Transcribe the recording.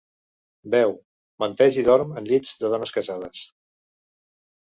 Beu, menteix i dorm en llits de dones casades.